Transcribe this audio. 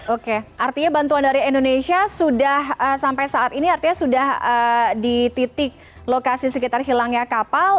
oke artinya bantuan dari indonesia sudah sampai saat ini artinya sudah di titik lokasi sekitar hilangnya kapal